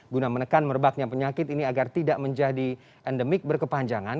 guna menekan merebaknya penyakit ini agar tidak menjadi endemik berkepanjangan